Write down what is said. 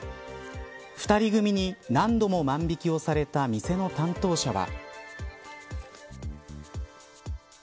２人組に何度も万引をされた店の担当者は。